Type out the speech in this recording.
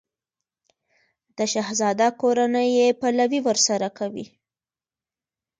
د شهزاده کورنۍ یې پلوی ورسره کوي.